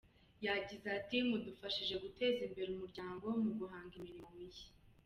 Yagize ati “Mudufashije guteza imbere umuryango mu guhanga imirimo mishya.